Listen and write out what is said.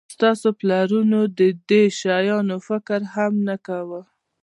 ستاسو پلرونو د دې شیانو فکر هم نه کاوه